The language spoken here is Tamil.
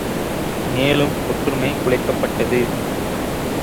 மேலும் ஒற்றுமை குலைக்கப்பட்டது.